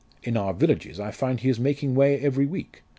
In our villages I find he is making way every week.